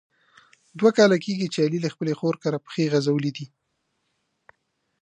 دوه کاله کېږي چې علي له خپلې خور کره پښې غزولي دي.